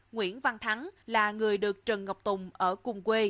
nguyễn văn thắng là người được trần ngọc tùng ở cùng quê